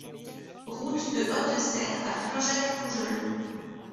Route de Hautesserre à Flaujac-Poujols